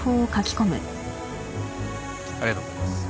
ありがとうございます。